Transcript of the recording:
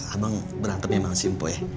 abang berantem sama si impo ya